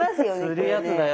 つるやつだよ